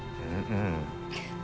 うん。